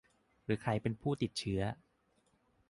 หรือใครเป็นผู้ติดเชื้อ